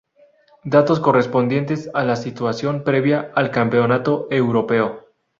Datos correspondientes a la situación previa al Campeonato Europeo.